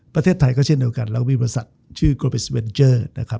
ประเทศไทยก็เช่นเดียวกันเรามีบริษัทชื่อโกเบสเวนเจอร์นะครับ